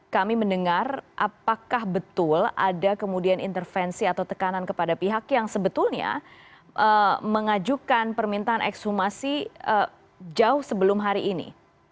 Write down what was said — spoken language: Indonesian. kami mendengar apakah betul ada kemudian intervensi atau tekanan kepada pihak yang sebetulnya mengajukan permintaan ekshumasi jauh sebelum hari ini